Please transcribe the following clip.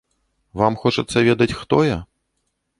Вам хочацца ведаць, хто я?